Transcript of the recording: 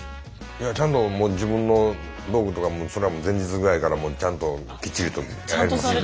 いやちゃんともう自分の道具とかもうそれはもう前日ぐらいからもうちゃんときっちりとやりますんで。